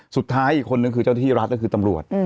สุดท้ายอีกคนนึงคือเจ้าที่รัฐก็คือตำรวจ